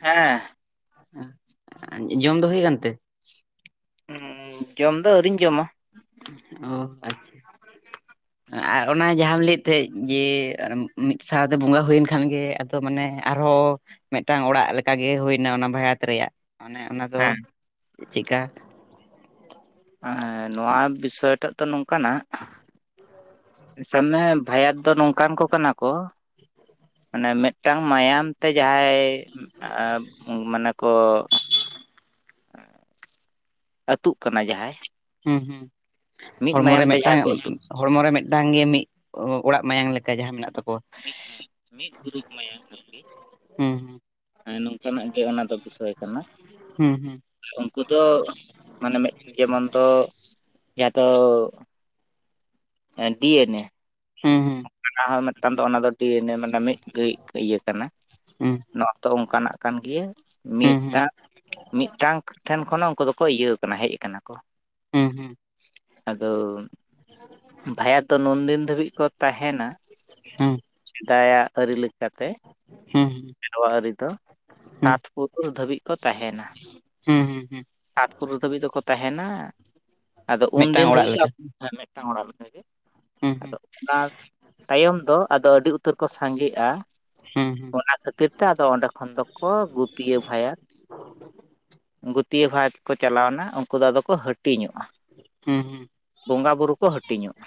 ᱦᱮᱸ ᱡᱚᱢ ᱫᱚ ᱦᱩᱭ ᱠᱟᱱᱛᱮ ᱡᱚᱢ ᱫᱚ ᱟᱹᱣᱨᱤᱧ ᱡᱚᱢᱟ ᱚ ᱟᱪᱪᱷᱟ ᱟᱨ ᱚᱱᱟ ᱡᱟᱦᱟᱢ ᱞᱟᱹᱭᱮᱫ ᱛᱟᱦᱮᱸᱫ ᱡᱮ ᱢᱤᱫ ᱥᱟᱶᱛᱮ ᱵᱚᱸᱜᱟ ᱦᱩᱭᱮᱱ ᱠᱷᱟᱱ ᱜᱮ ᱛᱚ ᱢᱟᱱᱮ ᱟᱨᱦᱚᱸ ᱢᱤᱫᱴᱟᱝ ᱚᱲᱟᱜ ᱞᱮᱠᱟ ᱜᱮ ᱦᱩᱭᱱᱟ ᱚᱱᱟ ᱵᱷᱟᱭᱟᱛ ᱨᱮᱭᱟᱜ ᱟᱱᱮ ᱚᱱᱟ ᱫᱚ ᱪᱮᱫᱠᱟ ᱦᱮ ᱱᱚᱣᱟ ᱵᱤᱥᱚᱭ ᱴᱟᱜ ᱫᱚ ᱱᱚᱝᱠᱟᱱᱟ ᱢᱟᱱᱮ ᱵᱷᱟᱭᱟᱫ ᱫᱚ ᱱᱚᱝᱠᱟᱱ ᱠᱚ ᱠᱟᱱᱟ ᱠᱚ ᱢᱟᱱᱮ ᱢᱤᱫᱴᱟᱝ ᱢᱟᱭᱟᱢ ᱛᱮ ᱡᱟᱦᱟᱸᱭ ᱢᱟᱱᱮ ᱠᱚ ᱟᱹᱛᱩᱜ ᱠᱟᱱᱟ ᱡᱟᱦᱟᱸᱭ ᱦᱩᱸ ᱦᱩᱸ ᱢᱤᱫ ᱦᱚᱲᱢᱚ ᱢᱟᱭᱟᱢ ᱨᱮ ᱢᱤᱫᱴᱟᱝ ᱦᱚᱲᱢᱚ ᱨᱮ ᱢᱤᱫᱴᱟᱝ ᱜᱮ ᱢᱤᱫ ᱚᱲᱟᱜ ᱢᱟᱭᱟᱝ ᱞᱮᱠᱟ ᱡᱟᱦᱟᱸ ᱢᱮᱱᱟᱜ ᱛᱟᱠᱚᱣᱟ ᱮᱱᱠᱷᱟᱱ ᱢᱤᱫ ᱜᱩᱨᱩᱩᱯ ᱢᱟᱭᱟᱝ ᱦᱟᱴᱤᱧ ᱦᱩᱸ ᱦᱮ ᱱᱚᱝᱠᱟᱱᱟᱜ ᱜᱮ ᱚᱱᱟ ᱫᱚ ᱵᱤᱥᱚᱭ ᱠᱟᱱᱟ ᱦᱩᱸ ᱩᱱᱠᱩ ᱫᱚ ᱢᱟᱱᱮ ᱢᱤᱫ ᱡᱮᱢᱚᱱ ᱫᱚ ᱡᱟᱦᱟᱸ ᱫᱚ ᱮ ᱰᱤᱮᱱᱮ ᱦᱩᱸ ᱦᱩᱸ ᱦᱚᱸ ᱢᱤᱫᱴᱟᱝ ᱫᱚ ᱚᱱᱟ ᱫᱚ ᱰᱤᱮᱱᱮ ᱢᱟᱱᱮ ᱢᱤᱫ ᱜᱤ ᱤᱭᱟᱹ ᱠᱟᱱᱟ ᱦᱩᱸ ᱱᱚᱣᱟᱛᱚ ᱚᱱᱠᱟᱱᱟᱜ ᱠᱟᱱ ᱜᱮᱭᱟ ᱦᱩᱸ ᱦᱩᱸ ᱢᱤᱫᱴᱟᱝ ᱢᱤᱫᱴᱟᱝ ᱴᱷᱮᱱ ᱠᱷᱚᱱ ᱟᱠᱠᱩ ᱫᱚᱠᱚ ᱤᱭᱟᱹ ᱠᱟᱱᱟ ᱦᱮᱡ ᱟᱠᱟᱱᱟ ᱠᱚ ᱦᱩᱸ ᱦᱩᱸ ᱟᱫᱚ ᱵᱷᱟᱭᱟᱛ ᱫᱚ ᱱᱩᱱᱫᱤᱱ ᱫᱷᱟᱹᱵᱤᱡ ᱠᱚ ᱛᱟᱦᱮᱱᱟ ᱦᱩᱸ ᱥᱮᱫᱟᱭᱟᱜ ᱟᱹᱨᱤ ᱞᱮᱠᱟᱛᱮ ᱦᱩᱸ ᱥᱮᱨᱣᱟ ᱟᱹᱨᱤ ᱫᱚ ᱦᱩᱸ ᱥᱟᱛ ᱯᱩᱨ ᱫᱷᱟᱹᱵᱤᱡ ᱠᱚ ᱛᱟᱦᱮᱱᱟ᱾ ᱦᱩᱸ-ᱦᱩᱸ ᱥᱟᱛ ᱯᱩᱨᱟᱹ ᱫᱷᱟᱹᱵᱤᱡ ᱫᱚᱠᱚ ᱛᱟᱦᱮᱱᱟ ᱟᱫᱚ ᱢᱤᱫᱴᱟᱝ ᱩᱱᱫᱤᱱ ᱚᱲᱟᱜ ᱫᱷᱟᱹᱵᱤᱡ ᱫᱚ ᱞᱮᱠᱟ ᱦᱮᱸ ᱢᱤᱫᱴᱟᱝ ᱚᱲᱟᱜ ᱞᱮᱠᱟᱜ ᱜᱮ ᱦᱩᱸ ᱦᱩᱸ ᱟᱫᱚ ᱚᱱᱟ ᱛᱟᱭᱚᱢ ᱫᱚ ᱟᱫᱚ ᱟᱹᱰᱤ ᱩᱛᱟᱹᱨ ᱠᱚ ᱥᱟᱸᱜᱮᱜᱼᱟ ᱦᱩᱸ ᱾ᱚᱱᱟ ᱠᱷᱟᱹᱛᱤᱨ ᱛᱮ ᱟᱫᱚ ᱚᱸᱰᱮ ᱠᱷᱚᱱ ᱫᱚᱠᱚ ᱜᱩᱯᱤᱭᱟᱹ ᱵᱷᱟᱭᱟ ᱯᱤᱭᱟᱹ ᱵᱷᱟᱛ ᱠᱚ ᱪᱟᱞᱟᱣ ᱮᱱᱟ ᱩᱱᱠᱩ ᱫᱚ ᱟᱫᱚ ᱠᱚ ᱦᱟᱹᱴᱤᱧᱚᱜᱼᱟ᱾ ᱦᱩᱸ-ᱦᱩᱸ ᱵᱚᱸᱜᱟ ᱵᱩᱨᱩ ᱠᱚ ᱦᱟᱹᱴᱤᱧᱚᱜᱼᱟ᱾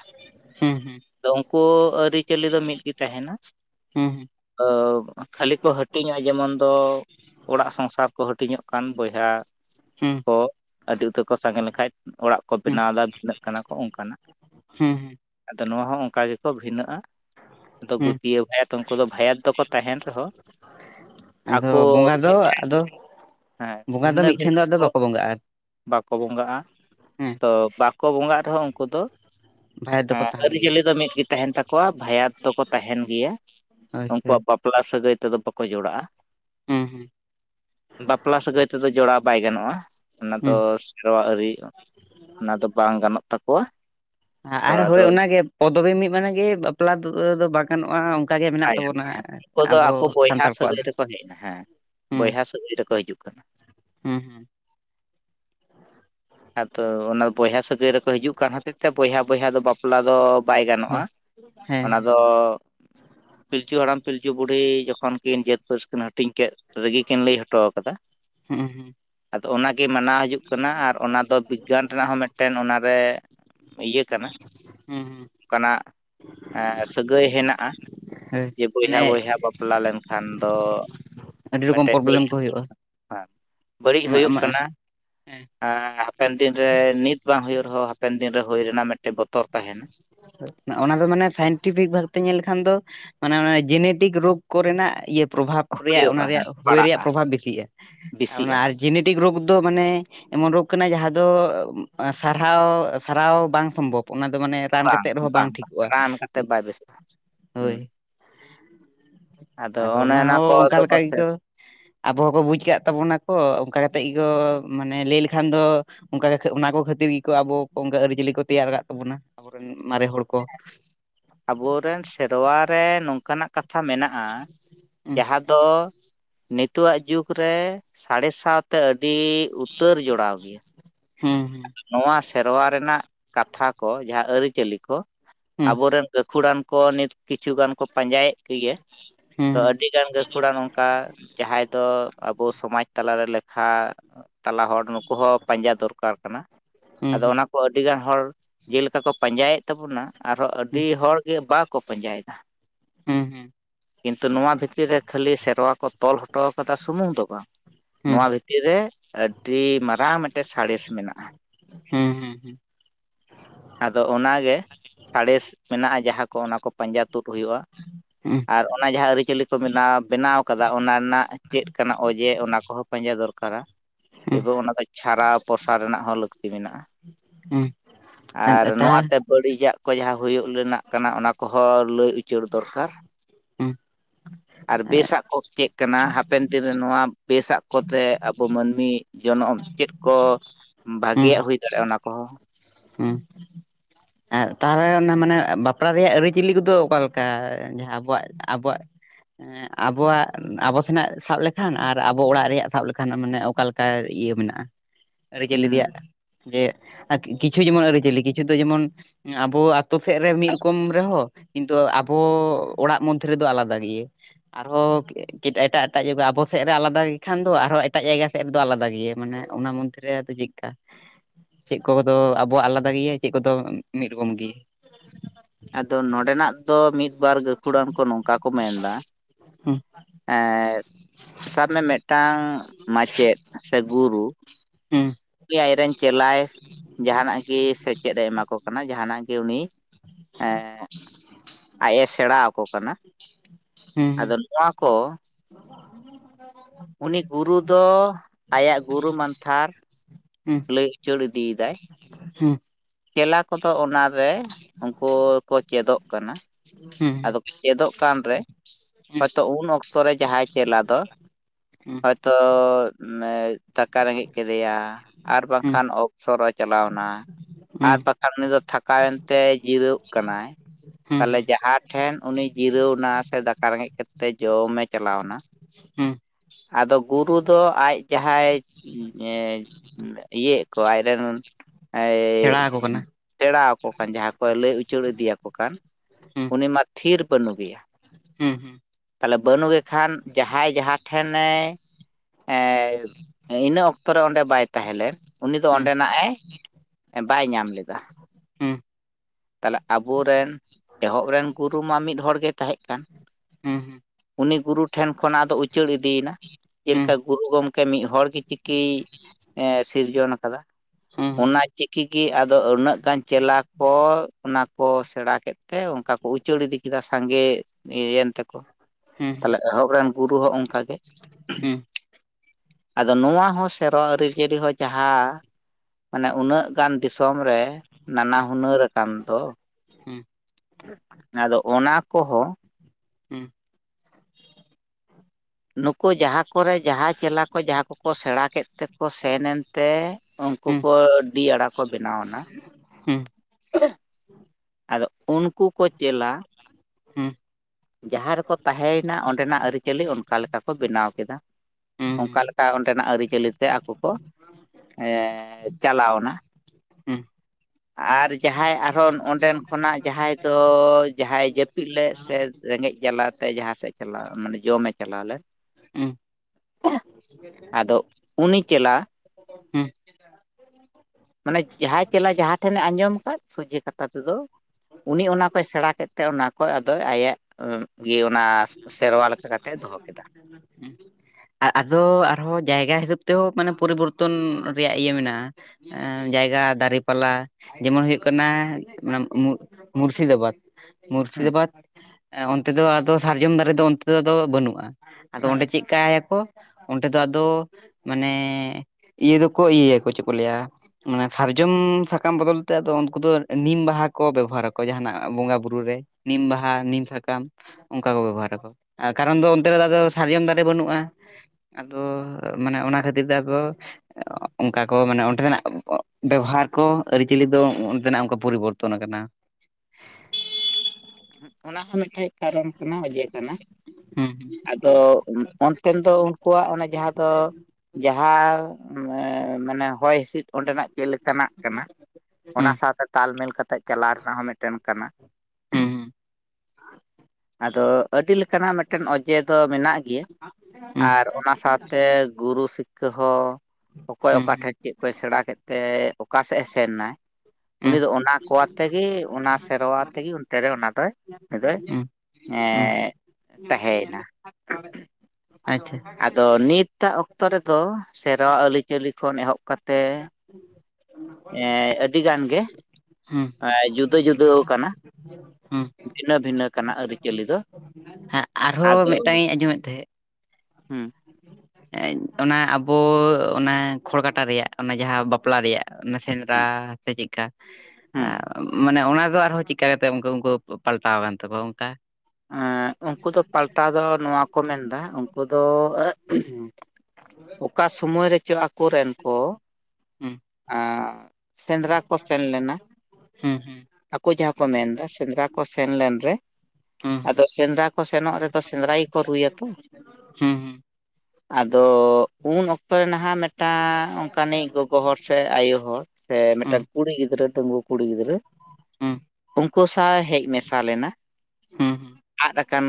ᱦᱩᱸ-ᱦᱩᱸ ᱩᱱᱠᱩ ᱟᱹᱨᱤᱪᱟᱹᱞᱤ ᱫᱚ ᱢᱤᱫ ᱜᱮ ᱛᱟᱦᱮᱱᱟ᱾ ᱦᱩᱸ ᱦᱩᱸ ᱦᱩᱸ ᱠᱷᱟᱹᱞᱤ ᱠᱚ ᱦᱟᱹᱴᱤᱧᱚᱜ-ᱟ ᱡᱮᱢᱚᱱ ᱫᱚ ᱚᱲᱟᱜ ᱥᱚᱝᱥᱟᱨ ᱠᱚ ᱦᱟᱹᱴᱤᱧᱚᱜ ᱠᱟᱱ ᱵᱚᱭᱦᱟ ᱦᱩᱸ ᱠᱚ ᱟᱹᱰᱤ ᱩᱛᱟᱹᱨ ᱠᱚ ᱥᱟᱸᱜᱮ ᱞᱮᱠᱷᱟᱡ ᱚᱲᱟᱜ ᱠᱚ ᱦᱩᱸ ᱵᱮᱱᱟᱣ ᱮᱫᱟ ᱵᱷᱤᱱᱟᱹᱜ ᱠᱟᱱᱟ ᱠᱚ ᱚᱱᱠᱟᱱᱟᱜ ᱦᱩᱸ ᱦᱩᱸ ᱟᱫᱚ ᱱᱚᱣᱟ ᱦᱚᱸ ᱚᱱᱠᱟ ᱜᱮᱠᱚ ᱵᱷᱤᱱᱟᱹᱜᱼᱟ᱾ ᱪᱮᱫ ᱟᱫᱚ ᱦᱚᱸ ᱜᱩᱛᱤᱭᱟᱹ ᱵᱷᱟᱭᱟᱛ ᱩᱱᱠᱩ ᱵᱟᱝ ᱫᱚ ᱵᱷᱟᱭᱟᱛ ᱟᱸᱡᱚᱢᱚᱜ ᱫᱚᱠᱚ ᱛᱟᱦᱮᱱ ᱠᱟᱱᱟ ᱨᱮᱦᱚᱸ ᱦᱩᱸ ᱟᱫᱚ ᱵᱚᱸᱜᱟ ᱫᱚ ᱟᱫᱚ ᱦᱮᱸ ᱵᱚᱸᱜᱟ ᱫᱚ ᱢᱤᱫ ᱴᱷᱮᱱ ᱵᱷᱤᱱᱟᱹ-ᱵᱷᱤᱱᱟᱹ ᱫᱚ ᱟᱫᱚ ᱠᱚ ᱵᱟᱠᱚ ᱵᱚᱸᱜᱟᱜᱼᱟ ᱵᱟᱠᱚ ᱵᱚᱸᱜᱟᱜᱼᱟ᱾ ᱦᱮᱸ ᱛᱚ ᱵᱟᱠᱚ ᱵᱚᱸᱜᱟᱜ ᱨᱮᱦᱚᱸ ᱩᱱᱠᱩ ᱫᱚ ᱵᱷᱟᱭᱟᱨ ᱫᱚᱠᱚ ᱛᱟᱦᱮᱱ ᱜᱮᱭᱟ ᱟᱹᱨᱤᱪᱟᱹᱞᱤ ᱫᱚ ᱢᱤᱫ ᱜᱮ ᱛᱟᱦᱮᱱ ᱛᱟᱠᱚᱣᱟ ᱵᱷᱟᱭᱟᱫ ᱫᱚᱠᱚ ᱛᱟᱦᱮᱱ ᱜᱮᱭᱟ ᱦᱳᱭ ᱦᱳᱭ ᱩᱱᱠᱩᱣᱟᱜ ᱵᱟᱯᱞᱟ ᱵᱟᱯᱞᱟ ᱥᱟᱹᱜᱟᱹᱭ ᱛᱮᱫᱚ ᱵᱟᱠᱚ ᱡᱚᱲᱟᱜᱼᱟ ᱦᱩᱸ ᱦᱩᱸ ᱵᱟᱯᱞᱟ ᱥᱟᱹᱜᱟᱹᱭ ᱛᱮᱫᱚ ᱡᱚᱲᱟᱣ ᱵᱟᱭ ᱜᱟᱱᱚᱜᱼᱟ ᱚᱱᱟ ᱫᱚ ᱦᱩᱸ ᱥᱮᱨᱣᱟ ᱟᱹᱨᱤ ᱚᱱᱟ ᱫᱚ ᱵᱟᱝ ᱜᱟᱱᱚᱜ ᱛᱟᱠᱚᱣᱟ ᱟᱨ ᱦᱚᱭ ᱚᱱᱟᱜᱮ ᱯᱚᱫᱚᱵᱤ ᱢᱤᱫ ᱢᱟᱱᱮ ᱜᱮ ᱵᱟᱯᱞᱟ ᱫᱚ ᱵᱟᱝ ᱜᱟᱱᱚᱜᱼᱟ ᱚᱱᱠᱟᱜᱮ ᱢᱮᱱᱟᱜ ᱛᱟᱵᱚᱱᱟ ᱟᱵᱚ ᱥᱟᱱᱛᱟᱲ ᱠᱚᱣᱟᱜ ᱫᱚ ᱵᱚᱭᱦᱟ ᱥᱟᱹᱜᱟᱹᱭ ᱨᱮᱠᱚ ᱦᱤᱡᱩᱜ ᱠᱟᱱᱟ᱾ ᱦᱩᱸ-ᱦᱩᱸ ᱟᱫᱚ ᱚᱱᱟ ᱵᱚᱭᱦᱟ ᱥᱟᱹᱜᱟᱹᱭ ᱨᱮᱠᱚ ᱦᱤᱡᱩᱜ ᱠᱟᱱ ᱦᱚᱛᱮᱫ ᱛᱮ ᱵᱚᱭᱦᱟ- ᱵᱚᱭᱦᱟ ᱫᱚ ᱵᱟ ᱵᱟᱯᱞᱟ ᱫᱚ ᱵᱟᱭ ᱜᱟᱱᱚᱜᱼᱟ ᱦᱩᱸ ᱦᱮᱸ ᱚᱱᱟ ᱦᱮᱸ ᱫᱚ ᱯᱤᱞᱪᱩ ᱦᱟᱲᱟᱢ-ᱯᱤᱞᱪᱩ ᱵᱩᱲᱦᱤ ᱡᱚᱠᱷᱚᱱ ᱠᱤᱱ ᱡᱟᱹᱛ ᱯᱟᱹᱨᱤᱥ ᱠᱤᱱ ᱦᱟᱹᱴᱤᱧ ᱠᱮᱫ ᱨᱮᱜᱮ ᱠᱤᱱ ᱞᱟᱹᱭ ᱦᱚᱴᱚ ᱟᱠᱟᱫᱟ᱾ ᱦᱩᱸ ᱟᱫᱚ ᱚᱱᱟᱜᱮ ᱢᱟᱱᱟᱣ ᱦᱤᱡᱩᱜ ᱠᱟᱱᱟ ᱟᱨ ᱚᱱᱟ ᱫᱚ ᱵᱤᱜᱽᱜᱟᱱ ᱨᱮᱱᱟᱜ ᱦᱚᱸ ᱢᱤᱫᱴᱮᱱ ᱚᱱᱟᱨᱮ ᱤᱭᱟᱹ ᱠᱟᱱᱟ ᱦᱩᱸ-ᱦᱩᱸ ᱚᱱᱠᱟᱱᱟᱜ ᱥᱟᱹᱜᱟᱹᱭ ᱦᱮᱱᱟᱜᱼᱟ ᱦᱳᱭ ᱡᱮ ᱢᱟᱱᱮ ᱵᱚᱭᱦᱟ-ᱵᱚᱭᱦᱟ ᱵᱟᱯᱞᱟ ᱞᱮᱱᱠᱷᱟᱱ ᱫᱚ ᱟᱹᱰᱤ ᱨᱚᱠᱚᱢ ᱯᱨᱚᱵᱽᱞᱮᱢ ᱠᱚ ᱦᱩᱭᱩᱜᱼᱟ᱾ ᱵᱟᱹᱲᱤᱡ ᱦᱩᱭᱩᱜ ᱟᱢᱟᱜ ᱠᱟᱱᱟ᱾ ᱦᱮᱸ᱾ ᱦᱟᱯᱮᱱ ᱫᱤᱱ ᱨᱮ ᱱᱤᱛ ᱵᱟᱝ ᱦᱩᱭᱩᱜ ᱨᱮᱦᱚᱸ ᱦᱟᱯᱮᱱ ᱫᱤᱱ ᱨᱮ ᱦᱩᱭ ᱨᱮᱱᱟᱜ ᱢᱤᱫᱴᱮᱱ ᱵᱚᱛᱚᱨ ᱛᱟᱦᱮᱱᱟ᱾ ᱚᱱᱟ ᱫᱚ ᱢᱟᱱᱮ ᱥᱟᱭᱮᱱᱴᱤᱯᱷᱤᱠ ᱵᱷᱟᱵᱛᱮ ᱧᱮᱞ ᱞᱮᱠᱷᱟᱱ ᱫᱚ ᱢᱟᱱᱮ ᱡᱮᱱᱮᱴᱤᱠ ᱨᱚᱜᱽ ᱠᱚ ᱨᱮᱱᱟᱜ ᱤᱭᱟᱹ ᱯᱨᱚᱵᱷᱟᱵᱽ ᱨᱮᱭᱟᱜ ᱚᱱᱟ ᱨᱮᱭᱟᱜ ᱦᱚᱭ ᱨᱮᱭᱟᱜ ᱯᱨᱚᱵᱷᱟᱵᱽ ᱵᱮᱥᱤᱜᱼᱟ ᱚᱱᱟ ᱟᱨ ᱡᱮᱱᱮᱴᱤᱠ ᱨᱚᱜᱽ ᱫᱚ ᱢᱟᱱᱮ ᱮᱢᱚᱱ ᱨᱳᱜᱽ ᱠᱟᱱᱟ ᱡᱟᱦᱟᱸ ᱫᱚ ᱥᱟᱨᱦᱟᱣ, ᱥᱟᱨᱦᱟᱣ ᱵᱟᱝ ᱥᱚᱢᱵᱷᱚᱵ ᱚᱱᱟ ᱫᱚ ᱢᱟᱱᱮ ᱨᱟᱱ ᱠᱟᱛᱮ ᱨᱮᱦᱚᱸ ᱵᱟᱝ ᱵᱟᱝ-ᱵᱟᱝ ᱴᱷᱤᱠᱚᱜᱼᱟ ᱨᱟᱱ ᱠᱟᱛᱮᱫ ᱵᱟᱭ ᱵᱮᱥᱚᱜᱼᱟ ᱦᱩᱸ ᱦᱳᱭ ᱟᱫᱚ ᱚᱱᱟ ᱦᱚᱸ ᱚᱱᱠᱟ ᱞᱮᱠᱟ ᱜᱮᱠᱚ ᱟᱵᱚ ᱦᱚᱸᱠᱚ ᱵᱩᱡᱽ ᱠᱟᱜ ᱛᱟᱵᱚᱱᱟ ᱠᱚ ᱚᱱᱠᱟ ᱠᱟᱛᱮᱫ ᱜᱮᱠᱚ ᱢᱟᱱᱮ ᱞᱟᱹᱭ ᱞᱮᱠᱷᱟᱱ ᱫᱚ ᱚᱱᱠᱟ ᱚᱱᱟ ᱠᱚ ᱠᱷᱟᱹᱛᱤᱨ ᱜᱮᱠᱚ ᱟᱵᱚ ᱚᱱᱠᱟ ᱟᱹᱨᱤᱪᱟᱹᱞᱤ ᱠᱚ ᱛᱮᱭᱟᱨ ᱟᱠᱟᱜ ᱛᱟᱵᱚᱱᱟ ᱟᱵᱚᱨᱮᱱ ᱢᱟᱨᱮ ᱦᱚᱲ ᱠᱚ ᱟᱵᱚᱨᱮᱱ ᱥᱮᱨᱣᱟ ᱨᱮ ᱱᱚᱝᱠᱟᱱᱟᱜ ᱠᱟᱛᱷᱟ ᱢᱮᱱᱟᱜᱼᱟ ᱦᱩᱸ ᱡᱟᱦᱟᱸ ᱫᱚ ᱱᱤᱛᱚᱜᱟᱜ ᱡᱩᱜᱽ ᱨᱮ ᱥᱟᱬᱮᱥ ᱥᱟᱶᱛᱮ ᱟᱹᱰᱤ ᱩᱛᱟᱹᱨ ᱡᱚᱲᱟᱣ ᱜᱮᱭᱟ ᱦᱩᱸ-ᱦᱩᱸ ᱱᱚᱣᱟ ᱥᱮᱨᱣᱟ ᱨᱮᱱᱟᱜ ᱠᱟᱛᱷᱟ ᱠᱚ ᱡᱟᱦᱟᱸ ᱟᱹᱨᱤᱪᱟᱹᱞᱤ ᱠᱚ ᱦᱩᱸ ᱟᱵᱚᱨᱮᱱ ᱜᱟᱹᱠᱷᱩᱲᱟᱱ ᱠᱚ ᱱᱤᱛ ᱠᱤᱪᱷᱩᱩᱜᱟᱱ ᱠᱚ ᱯᱟᱸᱡᱟᱭᱮᱫ ᱠᱚᱜᱮᱭᱟ ᱦᱩᱸ ᱛᱚ ᱟᱹᱰᱤᱜᱟᱱ ᱜᱟᱹᱠᱷᱩᱲᱟᱱ ᱱᱚᱝᱠᱟ ᱡᱟᱦᱟᱸᱭ ᱫᱚ ᱟᱵᱚ ᱥᱚᱢᱟᱡᱽ ᱛᱟᱞᱟᱨᱮ ᱞᱮᱠᱷᱟ ᱛᱟᱞᱟ ᱦᱚᱲ ᱱᱩᱠᱩ ᱦᱚᱸ ᱯᱟᱸᱡᱟ ᱫᱚᱨᱠᱟᱨ ᱦᱩᱸ ᱟᱫᱚ ᱚᱱᱟ ᱠᱚ ᱟᱹᱰᱤᱜᱟᱱ ᱦᱚᱲ ᱡᱮᱞᱮᱠᱟ ᱠᱚ ᱯᱟᱸᱡᱟᱭᱮᱫ ᱛᱟᱵᱚᱱᱟ ᱟᱨᱦᱚᱸ ᱦᱩᱸ ᱟᱹᱰᱤ ᱦᱚᱲᱜᱮ ᱵᱟᱠᱚ ᱯᱟᱸᱡᱟᱭᱮᱫ-ᱟ ᱦᱩᱸ ᱦᱩᱸ ᱠᱤᱱᱛᱩ ᱱᱚᱣᱟ ᱵᱷᱤᱛᱨᱤ ᱨᱮ ᱠᱷᱟᱹᱞᱤ ᱥᱮᱨᱣᱟ ᱠᱚ ᱛᱚᱞ ᱦᱚᱴᱚ ᱠᱟᱫᱟ ᱥᱩᱢᱩᱝ ᱫᱚ ᱵᱟᱝ ᱦᱩᱸ ᱦᱩᱸ ᱱᱚᱣᱟ ᱵᱷᱤᱛᱤᱨ ᱨᱮ ᱟᱹᱰᱤ ᱢᱟᱨᱟᱝ ᱢᱤᱫᱴᱮᱱ ᱥᱟᱬᱮᱥ ᱢᱮᱱᱟᱜᱼᱟ ᱦᱩᱸ ᱦᱩᱸ ᱟᱫᱚ ᱚᱱᱟᱜ ᱜᱮ ᱥᱟᱬᱮᱥ ᱢᱮᱱᱟᱜᱼᱟ ᱡᱟᱦᱟᱸ ᱠᱚ ᱚᱱᱟ ᱠᱚ ᱯᱟᱸᱡᱟ ᱛᱩᱫ ᱦᱩᱭᱩᱜᱼᱟ ᱦᱩᱸ ᱦᱩᱸ ᱟᱨ ᱚᱱᱟ ᱡᱟᱦᱟᱸ ᱟᱹᱨᱤᱪᱟᱹᱞᱤ ᱠᱚ ᱵᱮᱱᱟᱣ ᱵᱮᱱᱟᱣ ᱠᱟᱫᱟ ᱚᱱᱟ ᱨᱮᱱᱟᱜ ᱪᱮᱫ ᱠᱟᱱᱟ ᱚᱡᱮ ᱚᱱᱟ ᱠᱚᱦᱚᱸ ᱯᱟᱸᱡᱟ ᱫᱚᱨᱠᱟᱨᱟ ᱦᱩᱸ ᱮᱵᱚᱝ ᱚᱱᱟ ᱫᱚ ᱪᱷᱟᱨᱟ ᱵᱷᱚᱥᱟ ᱨᱮᱱᱟᱜ ᱦᱚᱸ ᱞᱟᱹᱠᱛᱤ ᱢᱮᱱᱟᱜᱼᱟ ᱦᱩᱸ ᱟᱨ ᱱᱚᱣᱟᱛᱮ ᱵᱟᱹᱲᱤᱡᱟᱜ ᱠᱚ ᱡᱟᱦᱟᱸ ᱦᱩᱭᱩᱜ ᱨᱮᱱᱟᱜ ᱠᱟᱱᱟ ᱚᱱᱟ ᱠᱚᱦᱚᱸ ᱞᱟᱹᱭ ᱩᱪᱟᱹᱲ ᱫᱚᱨᱠᱟᱨ ᱦᱩ ᱟᱨ ᱵᱮᱥᱟᱜ ᱠᱚ ᱪᱮᱫ ᱠᱟᱱᱟ ᱦᱟᱯᱮᱱ ᱫᱤᱱᱨᱮ ᱱᱚᱣᱟ ᱵᱮᱥᱟᱜ ᱠᱚᱛᱮ ᱟᱵᱚ ᱢᱟᱹᱱᱢᱤ ᱡᱚᱱᱚᱜ ᱪᱮᱫ ᱠᱚ ᱦᱩᱸ ᱵᱷᱟᱜᱮᱭᱟᱜ ᱦᱩᱭ ᱫᱟᱲᱮᱭᱟᱜᱼᱟ ᱚᱱᱟ ᱠᱚᱦᱚᱸ ᱦᱩᱸ ᱟᱨ ᱛᱟᱦᱞᱮ ᱦᱮᱸ ᱢᱟᱱᱮ ᱵᱟᱯᱞᱟ ᱨᱮᱭᱟᱜ ᱟᱹᱨᱤᱪᱟᱹᱞᱤ ᱠᱚᱫᱚ ᱚᱠᱟᱞᱮᱠᱟ ᱡᱟᱦᱟᱸ ᱟᱵᱚᱣᱟᱜ ᱟᱵᱚᱣᱟᱜ ᱦᱮᱸ ᱟᱵᱚᱣᱟᱜ ᱟᱵᱚ ᱥᱮᱱᱟᱜ ᱥᱟᱵ ᱞᱮᱠᱷᱟᱱ ᱟᱨ ᱟᱵᱚ ᱚᱲᱟᱜ ᱨᱮᱭᱟᱜ ᱥᱟᱵ ᱞᱮᱠᱷᱟᱱ ᱢᱟᱱᱮ ᱚᱠᱟᱞᱮᱠᱟ ᱤᱭᱟᱹ ᱢᱮᱱᱟᱜᱼᱟ [inaudible] ᱟᱹᱨᱤᱪᱟᱹᱞᱤ ᱨᱮᱭᱟᱜ ᱡᱮ ᱠᱤᱪᱷᱩ ᱡᱮᱢᱚᱱ ᱟᱹᱨᱤᱪᱟᱹᱞᱤ ᱠᱤᱪᱷᱩ ᱫᱚ ᱡᱮᱢᱚᱱ ᱟᱵᱚ ᱛᱚᱯᱷᱮᱫ ᱨᱮ ᱢᱤᱫ ᱨᱚᱠᱚᱢ ᱨᱮᱦᱚᱸ ᱠᱤᱱᱛᱩ ᱟᱵᱚ ᱚᱲᱟᱜ ᱢᱚᱫᱽᱫᱷᱮ ᱨᱮᱫᱚ ᱟᱞᱟᱫᱟ ᱜᱮ ᱟᱨᱦᱚᱸ ᱮᱴᱟᱜ ᱮᱴᱟᱜ ᱡᱟᱭᱜᱟ ᱟᱵᱚ ᱥᱮᱫ ᱨᱮ ᱟᱞᱟᱫᱟ ᱜᱮᱠᱷᱟᱱ ᱫᱚ ᱟᱨᱦᱚᱸ ᱮᱴᱟᱜ ᱡᱟᱭᱜᱟ ᱥᱮᱫ ᱫᱚ ᱟᱞᱟᱫᱟ ᱜᱮ ᱢᱟᱱᱮ ᱚᱱᱟ ᱢᱚᱫᱽᱫᱷᱮ ᱨᱮᱫᱚ ᱪᱮᱫᱠᱟ ᱪᱮᱫ ᱠᱚᱫᱚ ᱟᱵᱚᱣᱟᱜ ᱟᱞᱟᱫᱟ ᱜᱮᱭᱟ ᱪᱮᱫ ᱠᱚᱫᱚ ᱢᱤᱫ ᱨᱚᱠᱚᱢ ᱜᱮ ᱟᱫᱚ ᱱᱚᱰᱮᱱᱟᱜ ᱫᱚ ᱢᱤᱫ ᱵᱟᱨ ᱜᱟᱹᱠᱷᱩᱲᱟᱱ ᱠᱚ ᱱᱚᱝᱠᱟ ᱠᱚ ᱢᱮᱱᱫᱟ ᱦᱚᱸ ᱮᱸ ᱥᱟᱵ ᱢᱮ ᱢᱤᱫᱴᱟᱝ ᱢᱟᱪᱮᱫ ᱥᱮ ᱜᱩᱨᱩ ᱦᱩᱸ ᱥᱮ ᱟᱡ ᱨᱮᱱ ᱪᱮᱞᱟᱭ ᱡᱟᱦᱟᱱᱟᱜ ᱜᱮ ᱥᱮᱪᱮᱫ ᱮᱢᱟ ᱠᱚ ᱠᱟᱱᱟ ᱡᱟᱦᱟᱱᱟᱜ ᱜᱮ ᱩᱱᱤ ᱟᱡ ᱮ ᱥᱮᱬᱟ ᱟᱠᱚ ᱠᱟᱱᱟ ᱟᱫᱚ ᱱᱚᱣᱟ ᱠᱚ [unintelligible] ᱩᱱᱤ ᱜᱩᱨᱩ ᱫᱚ ᱟᱭᱟᱜ ᱜᱩᱨᱩ ᱢᱟᱱᱛᱷᱟᱨ ᱞᱟᱹᱭ ᱩᱪᱟᱹᱲ ᱤᱫᱤᱭᱮᱫᱟᱭ ᱦᱩᱸ ᱠᱮᱞᱟ ᱠᱚᱫᱚ ᱚᱱᱟᱨᱮ ᱩᱱᱠᱩ ᱠᱚ ᱪᱮᱫᱚᱜ ᱠᱟᱱᱟ᱾ ᱦᱮᱸ ᱟᱫᱚ ᱪᱮᱫᱚᱜ ᱠᱟᱱ ᱨᱮ ᱦᱚᱭᱛᱚ ᱩᱱ ᱚᱠᱛᱚ ᱨᱮ ᱡᱟᱦᱟᱸᱭ ᱪᱮᱞᱟ ᱫᱚ ᱦᱚᱭᱛᱚ ᱫᱟᱠᱟ ᱨᱮᱸᱜᱮᱡ ᱠᱮᱫᱮᱭᱟ ᱟᱨ ᱵᱟᱝᱠᱷᱟᱱ ᱚᱯᱥᱚᱨᱮ ᱪᱟᱞᱟᱣᱱᱟ ᱟᱨ ᱵᱟᱝᱠᱷᱟᱱ ᱛᱷᱟᱠᱟᱣᱮᱱᱛᱮ ᱡᱤᱨᱟᱹᱜ ᱠᱟᱱᱟᱭ ᱛᱟᱦᱚᱞᱮ ᱡᱟᱦᱟᱸ ᱴᱷᱮᱱ ᱩᱱᱤ ᱡᱤᱨᱟᱹᱣ ᱮᱱᱟ ᱥᱮ ᱫᱟᱠᱟ ᱨᱮᱸᱜᱮᱡ ᱠᱤᱫᱤᱛᱮ ᱡᱚᱢᱮ ᱪᱟᱞᱟᱣ ᱮᱱᱟ ᱟᱫᱚ ᱜᱩᱨᱩ ᱫᱚ ᱟᱡ ᱡᱟᱦᱟᱸᱭ ᱤᱭᱟ. ᱭᱮᱫ ᱠᱩᱣᱟᱭ ᱥᱮᱬᱟ ᱟᱠᱚ ᱠᱟᱱᱟ ᱥᱮᱬᱟᱸᱣ ᱟᱠᱚ ᱠᱟᱱ ᱡᱟᱦᱟᱸ ᱠᱚᱭ ᱞᱟᱹᱭ ᱩᱪᱟᱹᱲ ᱤᱫᱤᱭᱟᱠᱚ ᱠᱟᱱ ᱩᱱᱤ ᱢᱟ ᱛᱷᱤᱨ ᱵᱟᱹᱱᱩᱜᱮᱭᱟ ᱛᱟᱦᱚᱞᱮ ᱵᱟᱹᱱᱩᱜᱮ ᱠᱷᱟᱱ ᱡᱟᱦᱟᱸᱭ ᱡᱟᱦᱟᱸ ᱴᱷᱮᱱᱮ ᱮᱸ ᱤᱱᱟᱹ ᱚᱠᱛᱚ ᱨᱮ ᱚᱸᱰᱮ ᱵᱟᱭ ᱛᱟᱦᱮᱸ ᱞᱮᱱ, ᱩᱱᱤ ᱫᱚ ᱚᱸᱰᱮᱱᱟᱜ ᱮ ᱵᱟᱭ ᱧᱟᱢ ᱞᱮᱫᱟ᱾ ᱦᱩᱸ ᱛᱟᱦᱚᱞᱮ ᱟᱵᱚᱨᱮᱱ ᱮᱦᱚᱵ ᱨᱮᱱ ᱜᱩᱨᱩ ᱢᱟ ᱢᱤᱫ ᱦᱚᱲ ᱜᱮ ᱛᱟᱦᱮᱸ ᱠᱟᱱᱟ ᱦᱩᱸ ᱦᱩᱸ ᱩᱱᱤ ᱜᱩᱨᱩ ᱴᱷᱮᱱ ᱠᱷᱚᱱᱟᱜ ᱟᱫᱚ ᱩᱪᱟᱹᱲ ᱤᱫᱤᱭᱮᱱᱟ ᱡᱮᱞᱮᱠᱟ ᱜᱩᱨᱩ ᱜᱚᱢᱠᱮ ᱢᱤᱫ ᱦᱚᱲᱜ ᱜᱮ ᱪᱤᱠᱤ ᱥᱤᱨᱡᱚᱱ ᱟᱠᱟᱫᱟ ᱚᱱᱟ ᱪᱤᱠᱤ ᱜᱮ ᱟᱫᱚ ᱩᱱᱟᱹᱜ ᱜᱟᱱ ᱪᱮᱞᱟ ᱠᱚ ᱚᱱᱟ ᱠᱚ ᱥᱮᱬᱟ ᱠᱮᱫ ᱛᱮ ᱚᱱᱠᱟ ᱠᱚ ᱩᱪᱟᱹᱲ ᱤᱫᱤ ᱠᱮᱫᱟ ᱥᱟᱸᱜᱮ ᱮᱱ ᱛᱮᱠᱚ ᱛᱟᱦᱚᱞᱮ ᱮᱦᱚᱵ ᱨᱮᱱ ᱜᱩᱨᱩ ᱦᱚᱸ ᱚᱱᱠᱟᱜᱮ ᱟᱫᱚ ᱱᱚᱣᱟ ᱦᱚᱸ ᱥᱮᱨᱣᱟ ᱟᱹᱨᱤᱪᱟᱹᱞᱤ ᱦᱚᱸ ᱡᱟᱦᱟᱸ ᱢᱟᱱᱮ ᱩᱱᱟᱹᱜ ᱜᱟᱱ ᱫᱤᱥᱚᱢ ᱨᱮ ᱱᱟᱱᱟ ᱦᱩᱱᱟᱹᱨ ᱠᱷᱟᱱ ᱫᱚ ᱟᱫᱚ ᱚᱱᱟ ᱠᱚᱦᱚᱸ ᱱᱩᱠᱩ ᱡᱟᱦᱟᱸ ᱠᱚᱨᱮ ᱡᱟᱦᱟᱸ ᱪᱮᱞᱟ ᱠᱚ ᱡᱟᱦᱟᱸ ᱠᱚᱠᱚ ᱥᱮᱬᱟ ᱠᱮᱫ ᱛᱮᱠᱚ ᱥᱮᱱᱮᱱ ᱛᱮ ᱩᱱᱠᱩ ᱠᱚ ᱰᱤ ᱟᱲᱟ ᱠᱚ ᱵᱮᱱᱟᱣᱱᱟ ᱟᱫᱚ ᱩᱱᱠᱩ ᱠᱚ ᱪᱮᱞᱟ ᱡᱟᱦᱟᱸ ᱨᱮᱠᱚ ᱛᱟᱦᱮᱸᱭᱮᱱᱟ ᱚᱸᱰᱮᱱᱟᱜ ᱟᱹᱨᱤᱪᱟᱹᱞᱤ ᱚᱱᱠᱟ ᱚᱱᱠᱟ ᱞᱮᱠᱟ ᱠᱚ ᱵᱮᱱᱟᱣ ᱠᱮᱫᱟ ᱚᱱᱠᱟ ᱞᱮᱠᱟ ᱚᱸᱰᱮᱱᱟᱜ ᱟᱹᱨᱤᱪᱟᱹᱞᱤ ᱛᱮ ᱟᱠᱚ ᱠᱚ ᱮᱸᱪᱟᱞᱟᱣᱱᱟ ᱟᱨ ᱡᱟᱦᱟᱸᱭ ᱟᱨᱦᱚᱸ ᱚᱸᱰᱮᱱ ᱠᱷᱚᱱᱟᱜ ᱡᱟᱦᱟᱸᱭ ᱡᱟᱦᱟᱸᱭ ᱡᱟᱹᱯᱤᱫ ᱞᱮᱫ ᱥᱮ ᱨᱮᱸᱜᱮᱡ ᱡᱟᱞᱟ [unintelligible] ᱡᱟᱦᱟᱸ ᱥᱮᱫ ᱪᱟᱞᱟᱣ ᱢᱟᱱᱮ ᱡᱚᱢᱮ ᱪᱟᱞᱟᱣ ᱞᱮᱱ ᱦᱩᱸ ᱟᱫᱚ ᱩᱱᱤ ᱪᱮᱞᱟ ᱦᱩᱸ ᱢᱟᱱᱮ ᱡᱟᱦᱟᱸᱭ ᱪᱮᱞᱟ ᱡᱟᱦᱟᱸ ᱴᱷᱮᱱᱮ ᱟᱸᱡᱚᱢ ᱟᱠᱟᱫ ᱥᱚᱡᱷᱮ ᱠᱟᱛᱷᱟ ᱛᱮᱫᱚ ᱩᱱᱤ ᱚᱱᱟ ᱠᱚᱭ ᱥᱮᱬᱟ ᱠᱮᱫᱛᱮ ᱚᱱᱟ ᱠᱚ ᱟᱫᱚ ᱟᱭᱟᱜ ᱜᱮ ᱚᱱᱟ ᱥᱮᱨᱣᱟ ᱞᱮᱠᱟ ᱠᱟᱛᱮᱜ ᱮ ᱫᱚᱦᱚ ᱠᱮᱫᱟ ᱦᱮᱸ ᱟᱫᱚ ᱟᱨᱦᱚᱸ ᱡᱟᱭᱜᱟ ᱦᱤᱥᱟᱹᱵ ᱛᱮᱦᱚᱸ ᱢᱟᱱᱮ ᱯᱚᱨᱤᱵᱚᱨᱛᱚᱱ ᱨᱮᱭᱟᱜ ᱤᱭᱟᱹ ᱢᱮᱱᱟᱜᱼᱟ ᱮ ᱡᱟᱭᱜᱟ ᱫᱟᱨᱤᱯᱟᱞᱟ ᱡᱮᱢᱚᱱ ᱦᱩᱭᱩᱜ ᱠᱟᱱᱟ ᱢᱩᱨᱥᱤᱫᱟᱵᱟᱫ ᱢᱩᱨᱥᱤᱫᱟᱵᱟᱫᱽ ᱚᱱᱛᱮ ᱫᱚ ᱟᱫᱚ ᱥᱟᱨᱡᱚᱢ ᱫᱟᱨᱮ ᱫᱚ ᱚᱱᱛᱮᱫᱚ ᱵᱟᱹᱱᱩᱜᱼᱟ ᱟᱫᱚ ᱚᱸᱰᱮ ᱪᱮᱫ ᱪᱤᱠᱟᱭᱟᱠᱚ ᱚᱸᱰᱮ ᱫᱚ ᱟᱫᱚ ᱢᱟᱱᱮ ᱤᱭᱟᱹ ᱫᱚᱠᱚ ᱤᱭᱟᱹᱭᱟᱠᱚ ᱪᱮᱫ ᱠᱚ ᱞᱟᱹᱭᱟ ᱢᱟᱱᱮ ᱥᱟᱨᱡᱚᱢ ᱥᱟᱠᱟᱢ ᱵᱚᱫᱚᱞᱛᱮ ᱟᱫᱚ ᱩᱱᱠᱩ ᱫᱚ ᱱᱤᱢ ᱵᱟᱦᱟ ᱠᱚ ᱵᱮᱵᱚᱦᱟᱨᱟᱠᱚ ᱡᱟᱦᱟᱱᱟᱜ ᱵᱚᱸᱜᱟ ᱵᱩᱨᱩ ᱨᱮ ᱱᱤᱢ ᱵᱟᱦᱟ ᱱᱤᱢ ᱥᱟᱠᱟᱢ ᱚᱱᱠᱟ ᱠᱚ ᱵᱮᱵᱚᱦᱟᱨᱟ ᱠᱚ ᱟᱨ ᱠᱟᱨᱚᱱ ᱫᱚ ᱚᱱᱛᱮ ᱨᱮ ᱫᱚ ᱥᱟᱨᱡᱚᱢ ᱫᱟᱨᱮ ᱵᱟᱹᱱᱩᱜᱼᱟ ᱟᱫᱚ ᱢᱟᱱᱮ ᱚᱱᱟ ᱠᱷᱟᱹᱛᱤᱨ ᱛᱮ ᱟᱫᱚ ᱚᱱᱠᱟ ᱠᱚ ᱢᱟᱱᱮ ᱚᱸᱰᱮᱱᱟᱜ ᱵᱮᱵᱚᱦᱟᱨ ᱠᱚ ᱟᱹᱨᱤᱪᱟᱹᱞᱤ ᱫᱚ ᱚᱸᱰᱮᱱᱟᱜ ᱚᱱᱠᱟ ᱯᱚᱨᱤᱵᱚᱨᱛᱚᱱ ᱟᱠᱟᱱᱟ ᱚᱱᱟ ᱦᱚᱸ ᱢᱤᱫᱴᱮᱡ ᱠᱟᱨᱚᱱ ᱠᱟᱱᱟ ᱚᱡᱮ ᱠᱟᱱᱟ ᱦᱩᱸ ᱟᱫᱚ ᱛᱚ ᱚᱱᱛᱮᱱ ᱫᱚ ᱩᱱᱠᱩᱣᱟᱜ ᱚᱱᱮ ᱡᱟᱦᱟᱸ ᱫᱚ ᱡᱟᱦᱟᱸ ᱢᱟᱱᱮ ᱦᱚᱭ ᱦᱤᱸᱥᱤᱫ ᱚᱸᱰᱮᱱᱟᱜ ᱪᱮᱫ ᱞᱮᱠᱟᱱᱟᱜ ᱠᱟᱱᱟ ᱚᱱᱟ ᱦᱩᱸ ᱥᱟᱶᱛᱮ ᱛᱟᱞᱢᱮᱞ ᱠᱟᱛᱮ ᱪᱟᱞᱟᱣ ᱨᱮᱱᱟᱜ ᱦᱚᱸ ᱢᱤᱫᱴᱮᱱ ᱠᱟᱱᱟ ᱦᱩᱸ ᱟᱫᱚ ᱟᱹᱰᱤ ᱞᱮᱠᱟᱱᱟᱜ ᱢᱤᱫᱴᱮᱱ ᱚᱡᱮ ᱫᱚ ᱢᱮᱱᱟᱜ ᱜᱮᱭᱟ ᱦᱩᱸ ᱦᱩᱸ ᱟᱨ ᱚᱱᱟ ᱥᱟᱶᱛᱮ ᱜᱩᱨᱩ ᱥᱤᱠᱠᱟᱹ ᱦᱚᱸ ᱚᱠᱚᱭ ᱦᱩᱸ ᱦᱩᱸ ᱚᱠᱟᱴᱷᱮᱱ ᱪᱮᱫ ᱠᱚᱭ ᱥᱮᱬᱟ ᱠᱮᱫ ᱛᱮ ᱚᱠᱟ ᱥᱮᱫ ᱮ ᱥᱮᱱ ᱮᱱᱟᱭ ᱩᱱᱤ ᱦᱩᱸ ᱫᱚ ᱚᱱᱟ ᱠᱚᱣᱟ ᱛᱮᱜᱮ ᱚᱱᱟ ᱥᱮᱨᱣᱟ ᱛᱮᱜᱮ ᱚᱱᱟᱫᱚ ᱟᱫᱚᱭ ᱦᱩᱸ ᱦᱩᱸ ᱮᱸ ᱛᱟᱦᱮᱸᱭᱮᱱᱟ ᱟᱪᱪᱷᱟ ᱟᱫᱚ ᱱᱤᱛᱟᱜ ᱚᱠᱛᱚ ᱨᱮᱫᱚ ᱥᱮᱨᱣᱟ ᱟᱹᱨᱤᱪᱟᱹᱞᱤ ᱠᱷᱚᱱ ᱮᱦᱚᱵ ᱠᱟᱛᱮ ᱮᱸ ᱟᱹᱰᱤ ᱜᱟᱱ ᱜᱮ ᱦᱩᱸ ᱡᱩᱫᱟᱹ ᱡᱩᱫᱟᱹ ᱠᱟᱱᱟ ᱦᱚᱸ ᱵᱷᱤᱱᱟᱹ ᱵᱷᱤᱱᱟᱹ ᱠᱟᱱᱟ ᱟᱹᱨᱤᱪᱟᱹᱞᱤ ᱫᱚ᱾ ᱟᱨᱦᱚᱸ ᱢᱤᱜᱴᱟᱝ ᱤᱧ ᱟᱸᱡᱚᱢᱮᱫ ᱛᱟᱦᱮᱸᱜ᱾ ᱦᱩᱸ ᱚᱱᱟ ᱟᱵᱚ ᱚᱱᱟ ᱠᱷᱚᱲᱠᱟᱴᱟ ᱨᱮᱭᱟᱜ ᱚᱱᱟ ᱡᱟᱦᱟᱸ ᱵᱟᱯᱞᱟ ᱨᱮᱭᱟᱜ ᱾ ᱚᱱᱟ ᱥᱮᱸᱫᱽᱨᱟ ᱥᱮ ᱪᱮᱜᱠᱟ ᱢᱟᱱᱮ ᱚᱱᱟ ᱫᱚ ᱟᱨᱦᱚᱸ ᱪᱮ ᱠᱟ ᱠᱟᱛᱮ ᱩᱝᱠᱩ ᱩᱝᱠᱩ ᱯᱟᱞᱴᱟᱣ ᱠᱟᱱ ᱛᱟᱠᱚᱣᱟ ᱚᱝᱠᱟ᱾ ᱮᱸ ᱩᱝᱠᱩ ᱫᱚ ᱯᱟᱞᱴᱟᱣ ᱫᱚ ᱱᱚᱣᱟ ᱠᱚ ᱢᱮᱱᱫᱟ ᱩᱝᱠᱩ ᱫᱚ ᱚᱠᱟ ᱥᱚᱢᱚᱭ ᱨᱮ ᱪᱚ ᱟᱠᱚᱨᱮᱱ ᱠᱚ ᱦᱩᱸ ᱟᱸ ᱥᱮᱸᱫᱽᱨᱟ ᱠᱚ ᱥᱮᱱ ᱞᱮᱱᱟ᱾ ᱦᱩᱸ ᱦᱩᱸ ᱟᱠᱚ ᱡᱟᱦᱟᱸ ᱠᱚ ᱢᱮᱱᱫᱟ ᱥᱮᱸᱫᱽᱨᱟ ᱠᱚ ᱥᱮᱱ ᱞᱮᱱ ᱨᱮ ᱦᱩᱸ ᱟᱫᱚ ᱥᱮᱸᱫᱽᱨᱟ ᱠᱚ ᱥᱮᱱᱚᱜ ᱨᱮᱫᱚ ᱥᱮᱸᱫᱽᱨ ᱜᱮᱠᱚ ᱨᱩᱭᱟᱛᱚ ᱟᱫᱚ ᱩᱱ ᱚᱠᱛᱚ ᱨᱮ ᱱᱟᱦᱟᱜ ᱢᱮᱫᱴᱟ ᱚᱝᱠᱟᱱᱤᱡ ᱜᱚᱜᱚ ᱦᱚᱲ ᱥᱮ ᱟᱭᱳ ᱦᱚᱲ᱾ ᱥᱮ ᱢᱤᱫᱴᱟᱝ ᱠᱩᱲᱤ ᱜᱤᱫᱽᱨᱟᱹ ᱰᱟᱺᱜᱩᱣᱟᱹ ᱠᱩᱲᱤ ᱜᱤᱫᱽᱨᱟᱹ ᱩᱝᱠᱩ ᱥᱟᱶ ᱦᱮᱡ ᱢᱮᱥᱟ ᱞᱮᱱᱟ᱾ ᱦᱩᱸ ᱟᱫ ᱟᱠᱟᱱ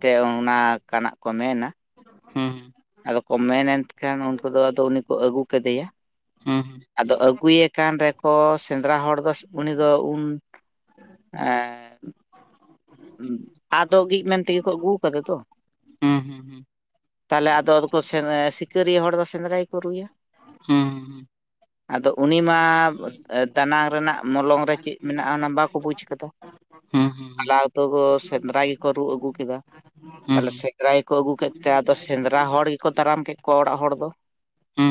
ᱛᱮ ᱚᱱᱟ ᱠᱟᱱᱟᱜ ᱠᱚ ᱢᱮᱱᱟ᱾ ᱟᱫᱚ ᱠᱚ ᱢᱮᱱᱮᱛ ᱠᱷᱟᱱ ᱩᱝᱠᱩ ᱫᱚ ᱟᱫᱚ ᱩᱱᱤ ᱠᱚ ᱟᱹᱜᱩ ᱠᱮᱫᱮᱭᱟ᱾ ᱟᱫᱚ ᱟᱹᱜᱩᱭᱮ ᱠᱟᱱ ᱨᱮᱠᱚ ᱥᱮᱸᱫᱽᱨᱟ ᱦᱚᱲ ᱫᱚ ᱩᱱᱤ ᱫᱚ ᱩᱱ ᱮᱸ [inaudible] ᱟᱫᱚᱜᱤᱡ ᱢᱮᱱ ᱛᱮᱜᱮ ᱠᱚ ᱟᱹᱜᱩᱣ ᱠᱟᱫᱟ ᱫᱚ᱾ ᱦᱩᱸ ᱦᱩᱸ ᱦᱩᱸ ᱛᱟᱞᱮ ᱟᱫᱚ ᱟᱫᱚᱠᱚ ᱥᱮᱸ ᱥᱤᱠᱟᱹᱨᱤᱭᱟᱹ ᱦᱚᱲ ᱫᱚ ᱥᱮᱸᱫᱽᱨᱟᱭ ᱜᱮᱠᱚ ᱨᱩᱭᱟ᱾ ᱦᱩᱸ ᱦᱩᱸ ᱦᱩᱸ ᱟᱫᱚ ᱩᱱᱤ ᱢᱟ ᱫᱟᱱᱟᱝ ᱨᱮᱱᱟᱜ ᱢᱚᱞᱚᱝ ᱨᱮ ᱪᱮᱜ ᱢᱮᱱᱟᱜᱼᱟ ᱚᱱᱟ ᱵᱟᱠᱚ ᱵᱩᱡ ᱠᱟᱫᱟ᱾ ᱦᱩᱸ ᱦᱩᱸ ᱦᱩᱸ ᱞᱟ ᱩᱛᱩ ᱠᱚ ᱥᱮᱸᱫᱽᱨᱟ ᱜᱮᱠᱚ ᱨᱩ ᱟᱹᱜᱩ ᱠᱮᱫᱟ᱾ ᱛᱟᱦᱞᱮ ᱥᱮᱸᱫᱽᱨᱟ ᱜᱮᱠᱚ ᱟᱹᱜᱩ ᱠᱮᱫ ᱛᱮ ᱟᱫᱚ ᱥᱮᱸᱫᱽᱨᱟ ᱦᱚᱲ ᱜᱮᱠᱚ ᱫᱟᱨᱟᱢ ᱠᱮᱜ ᱠᱚᱣᱟ ᱚᱲᱟᱜ ᱦᱚᱲ ᱫᱚ᱾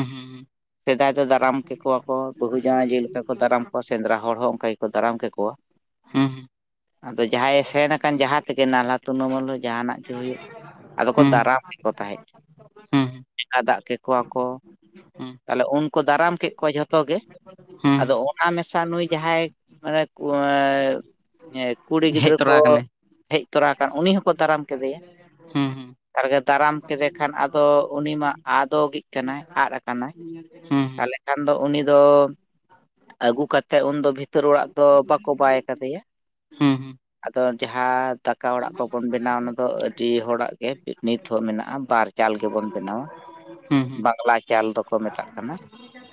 [unintelligible] ᱥᱮᱫᱟᱭ ᱫᱚ ᱫᱟᱨᱟᱢ ᱠᱮᱠᱚᱣᱟ ᱠᱚ ᱵᱟᱹᱦᱩ ᱡᱟᱶᱟᱭ ᱡᱮᱞᱮᱠᱟ ᱠᱚ ᱫᱟᱨᱟᱢ ᱠᱚᱣᱟ ᱥᱮᱸᱫᱽᱨᱟ ᱦᱚᱲ ᱦᱚᱸ ᱚᱝᱠᱟ ᱜᱮᱠᱚ ᱫᱟᱨᱟᱢ ᱠᱮᱠᱚᱣᱟ᱾ ᱦᱩᱸ ᱟᱫᱚ ᱡᱟᱦᱟᱸᱭᱮ ᱥᱮᱱ ᱠᱟᱱ ᱡᱟᱦᱟᱸ ᱛᱮᱜᱮ ᱱᱟᱞᱦᱟ ᱛᱩᱱᱟᱹᱢᱩᱞ ᱦᱚᱸ ᱡᱟᱦᱟᱱᱟᱜ ᱜᱮ ᱦᱩᱭᱩᱜ ᱾ ᱟᱫᱚ ᱠᱚ ᱫᱟᱨᱟᱢ ᱠᱮᱠᱚ ᱛᱟᱦᱮᱸᱫ ᱦᱩᱸ ᱪᱮᱠᱟ ᱫᱟᱜ ᱠᱮᱠᱚᱣᱟ ᱠᱚ᱾ ᱛᱟᱞᱮ ᱩᱱᱠᱩ ᱫᱟᱨᱟᱢ ᱠᱮᱜ ᱠᱚᱣᱟ ᱡᱷᱚᱛᱚ ᱜᱮ᱾ ᱟᱫᱚ ᱦᱩᱸ ᱚᱱᱟ ᱢᱮᱥᱟ ᱱᱩᱭ ᱡᱟᱦᱟᱸᱭ ᱮᱸ ᱠᱩ ᱮᱸ ᱠᱩᱲᱤ ᱦᱮᱡ ᱜᱤᱫᱽᱨᱟᱹ ᱛᱚᱨᱟ ᱟᱠᱟᱱᱟᱭ ᱦᱮᱡ ᱛᱚᱨᱟ ᱟᱠᱟᱱ ᱩᱱᱤ ᱦᱚᱸᱠᱚ ᱫᱟᱨᱟᱢ ᱠᱮᱫᱮᱭᱟ᱾ ᱦᱩᱸ ᱦᱩᱸ ᱛᱟᱨᱜᱮ ᱫᱟᱨᱟᱢ ᱠᱮᱫᱮ ᱠᱷᱟᱱ ᱟᱫᱚ ᱩᱱᱤ ᱢᱟ ᱟᱫᱚᱜᱤᱜ ᱠᱟᱱᱟᱭ, ᱟᱫ ᱟᱠᱟᱱᱟᱭ᱾ ᱦᱩᱸ ᱛᱟᱦᱞᱮ ᱠᱷᱟᱱ ᱫᱚ ᱩᱱᱤ ᱫᱚ ᱟᱹᱜᱩ ᱠᱟᱛᱮᱜ ᱩᱱᱫᱚ ᱵᱷᱤᱛᱟᱹᱨ ᱚᱲᱟᱜ ᱫᱚ ᱵᱟᱠᱚ ᱵᱟᱭ ᱠᱟᱫᱮᱭᱟ᱾ ᱦᱩᱸ ᱦᱩᱸ ᱟᱫᱚ ᱡᱟᱦᱟᱸ ᱫᱟᱠ ᱠᱟ ᱚᱲᱟᱜ ᱠᱚᱵᱚᱱ ᱵᱮᱱᱟᱣᱟ ᱚᱱᱟ ᱫᱚ ᱟᱹᱰᱤ ᱦᱚᱲᱟᱜ ᱜᱮ ᱱᱤᱛ ᱦᱚᱸ ᱢᱮᱱᱟᱜᱼᱟ ᱵᱟᱨ ᱪᱟᱞ ᱜᱮᱵᱚᱱ ᱵᱮᱱᱟᱣᱟ᱾ ᱦᱩᱸ ᱦᱩᱸ ᱵᱟᱝᱞᱟ ᱪᱟᱞ ᱫᱚᱠᱚ ᱢᱮᱛᱟᱜ ᱠᱟᱱᱟ᱾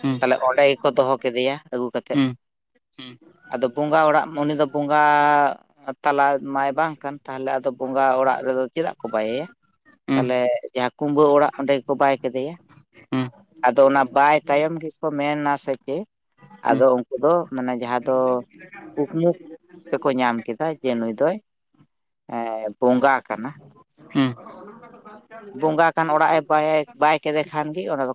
ᱦᱩᱸ ᱛᱟᱦᱞᱮ ᱚᱸᱰᱮ ᱜᱮᱠᱚ ᱫᱚᱦᱚ ᱠᱮᱫᱮᱭᱟ ᱟᱹᱜᱩ ᱠᱟᱛᱮᱜ ᱾ ᱦᱩᱸ ᱦᱩᱸ ᱟᱫᱚ ᱵᱚᱸᱜᱟ ᱚᱲᱟᱜ, ᱩᱱᱤ ᱫᱚ ᱵᱚᱸᱜᱟ ᱛᱟᱞᱟ ᱢᱟᱭ ᱵᱟᱝ ᱠᱟᱱ ᱛᱟᱦᱞᱮ ᱟᱫᱚ ᱵᱚᱸᱜᱟ ᱚᱲᱟᱜ ᱨᱮᱫᱚ ᱪᱮᱫᱟᱜ ᱠᱚ ᱵᱟᱭᱮᱭᱟ? ᱛᱟᱞᱮ ᱦᱩᱸ ᱡᱟᱦᱟᱸ ᱠᱩᱢᱵᱟᱹ ᱚᱲᱟᱜ ᱚᱸᱰᱮ ᱜᱮᱠᱚ ᱵᱟᱭ ᱠᱮᱫᱮᱭᱟ᱾ ᱦᱩᱸ ᱟᱫᱚ ᱚᱱᱟ ᱵᱟᱭ ᱛᱟᱭᱚᱢ ᱜᱮᱠᱚ ᱢᱮᱱᱟ ᱥᱮ ᱪᱮᱜ ᱟᱫᱚ ᱦᱩᱸ ᱩᱝᱠᱩ ᱫᱚ ᱾ ᱢᱟᱱᱮ ᱡᱟᱦᱟᱸ ᱫᱚ ᱠᱩᱠᱢᱩ ᱛᱮᱠᱚ ᱧᱟᱢ ᱠᱮᱫᱟ ᱡᱮ ᱱᱩᱭ ᱫᱚ ᱫᱚᱭ ᱵᱚᱸᱜᱟ ᱟᱠᱟᱱᱟ᱾ ᱦᱮᱸ ᱠᱷᱟᱱ ᱚᱲᱟᱜ ᱮ ᱵᱟᱭ ᱵᱟᱭ ᱠᱮᱫᱮ ᱠᱷᱟᱱ ᱜᱮ ᱚᱱᱟ ᱫᱚ᱾